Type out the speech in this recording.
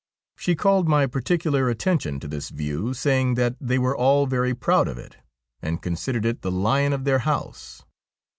She called my particular attention to this view, saying that they were all very proud of it, and considered it the lion of their house.